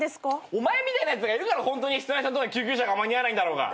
お前みたいなやつがいるからホントに必要な人んとこ救急車が間に合わないんだろうが。